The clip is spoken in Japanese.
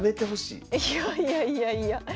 いやいやいやいや。